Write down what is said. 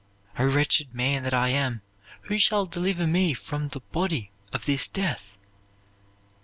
O wretched man that I am! who shall deliver me from the body of this death!"